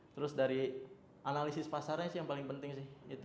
terus dari analisis pasarnya sih yang paling penting sih